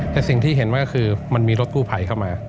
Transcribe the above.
แต่สิ่งที่เห็นว่าคือมันมีรถกู้ภัยเข้ามา